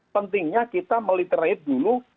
pentingnya kita meliterate dulu